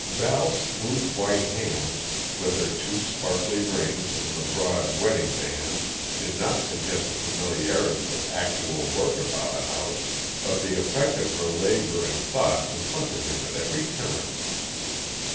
Val's smooth, white hands, with their two sparkly rings and the broad wedding band, did not suggest a familiarity with actual work about a house, but the effect of her labor and thought confronted him at every turn.